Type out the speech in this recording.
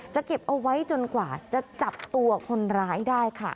เก็บเอาไว้จนกว่าจะจับตัวคนร้ายได้ค่ะ